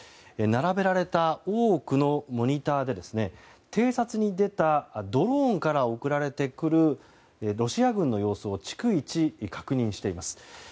並べられた多くのモニターで偵察に出たドローンから送られてくるロシア軍の様子を逐一、確認しています。